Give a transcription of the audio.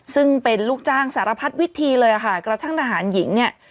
ซึ่งเป็นลูกจ้างสารพัดวิธีเลยค่ะกระทั่งทหารหญิงเนี่ย